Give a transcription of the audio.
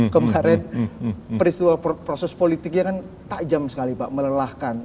kemarin proses politiknya kan tajam sekali pak melelahkan